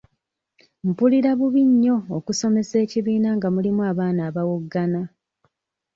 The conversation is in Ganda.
Mpulira bubi nnyo okusomesa ekibiina nga mulimu abaana abawoggana.